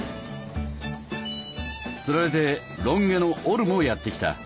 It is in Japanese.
釣られてロン毛のオルもやって来た。